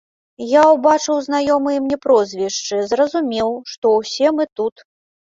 Я ўбачыў знаёмыя мне прозвішчы, зразумеў, што ўсе мы тут.